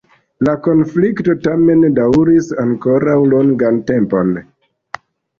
La konflikto tamen daŭris ankoraŭ longan tempon.